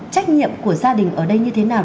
trách nhiệm của gia đình ở đây như thế nào